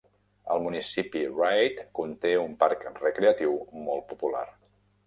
El municipi Wright conté un parc recreatiu molt popular.